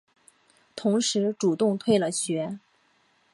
同时主动退了学。